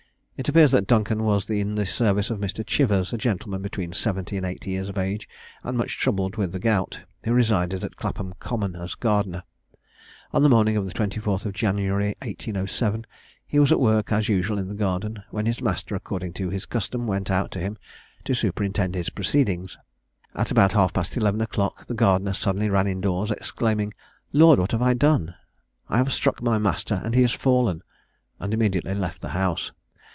It appears that Duncan was in the service of Mr. Chivers, a gentleman between seventy and eighty years of age, and much troubled with the gout, who resided at Clapham common, as gardener. On the morning of the 24th of January, 1807, he was at work as usual in the garden, when his master, according to his custom, went out to him to superintend his proceedings. At about half past 11 o'clock, the gardener suddenly ran in doors, exclaiming, "Lord, what have I done; I have struck my master, and he has fallen," and immediately left the house.